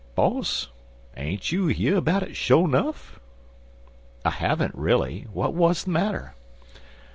Boss, ain't you year 'bout it, sho' 'nuff?" "I haven't, really. What was the matter?"